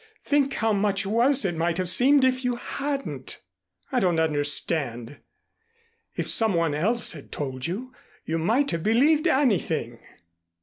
Think how much worse it might have seemed if you hadn't." "I don't understand." "If some one else had told you, you might have believed anything."